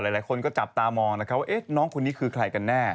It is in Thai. หลายคนก็จับตามองนะครับว่าน้องคนนี้คือใครกันแน่